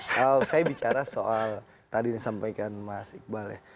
kalau saya bicara soal tadi yang disampaikan mas iqbal ya